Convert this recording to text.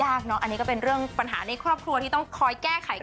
อันนี้ก็เป็นเรื่องปัญหาในครอบครัวที่ต้องคอยแก้ไขกัน